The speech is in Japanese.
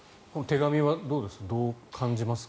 手紙はどうです？